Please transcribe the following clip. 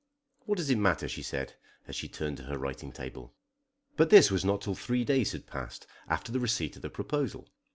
"What does it matter?" she said, as she turned to her writing table. But this was not till three days had passed after the receipt of the proposal.